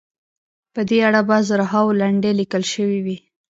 په دې اړه به زرهاوو لنډۍ لیکل شوې وي.